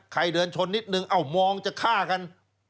เดินชนนิดนึงเอ้ามองจะฆ่ากัน